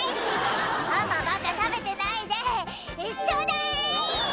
「ママばっか食べてないでちょうだい！」